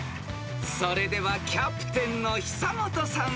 ［それではキャプテンの久本さん